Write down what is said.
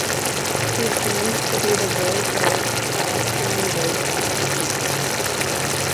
He claims to be the voice of "Austrian gay television".